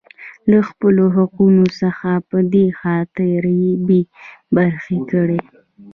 لـه خـپـلو حـقـونـو څـخـه پـه دې خاطـر بـې بـرخـې کـړي.